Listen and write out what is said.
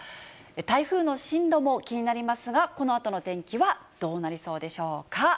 台風の進路も気になりますが、このあとの天気はどうなりそうでしょうか。